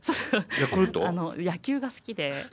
あの野球が好きで。